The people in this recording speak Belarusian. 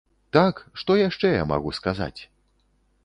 Так, што яшчэ я магу сказаць?